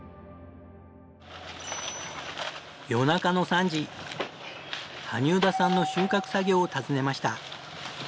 「ただし羽生田さんの収穫作業を訪ねました。